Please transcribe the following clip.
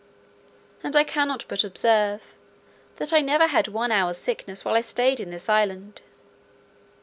And I cannot but observe, that I never had one hour's sickness while I stayed in this island.